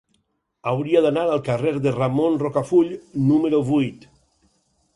Hauria d'anar al carrer de Ramon Rocafull número vuit.